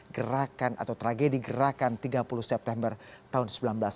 gerakan atau tragedi gerakan tiga puluh september tahun seribu sembilan ratus sembilan puluh